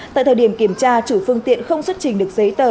tại thời điểm kiểm tra chủ phương tiện không xuất trình được giấy tờ